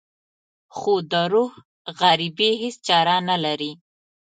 خو د روح غريبي هېڅ چاره نه لري.